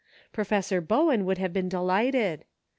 Prof. Bowen would have been delighted.